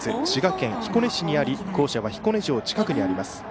滋賀県彦根市にあり校舎は彦根城近くにあります。